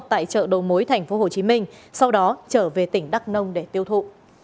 tại chợ đầu mối tp hcm sau đó trở về tỉnh đắk nông để tiêu thụ